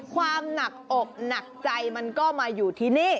ความหนักอกหนักใจมันก็มาอยู่ที่นี่